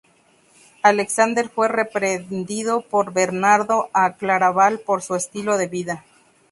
Alexander fue reprendido por Bernardo de Claraval por su estilo de vida.